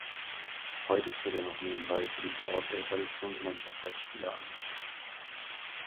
Heute tritt er noch nebenbei für die VfL-Traditionsmannschaft als Spieler an.